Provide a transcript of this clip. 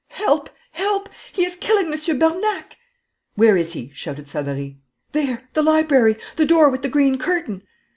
'Help, help; he is killing Monsieur Bernac!' 'Where is he?' shouted Savary. 'There! The library! The door with the green curtain!'